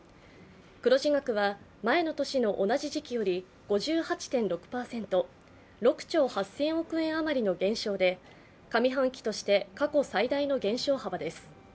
黒字額は前の年の同じ時期より５８．６％、６兆８０００億円あまりの減少で上半期として過去最大の減少幅です。